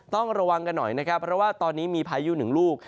ต้องระวังกันหน่อยนะครับเพราะว่าตอนนี้มีพายุหนึ่งลูก